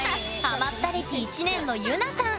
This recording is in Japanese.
ハマった歴１年のゆなさん！